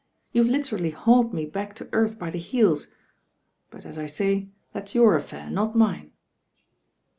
You've literally hauled me back to earth by the heels; but as I say, that's your affair, not mine."